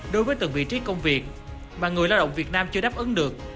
đối với từng vị trí công việc mà người lao động việt nam chưa đáp ứng được